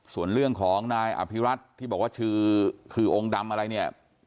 ส่วนเรื่องของนายอภิรัติที่บอกว่าชื่อคือองค์ดำอะไรเนี่ย